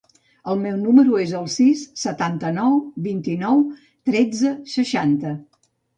El meu número es el sis, setanta-nou, vint-i-nou, tretze, seixanta.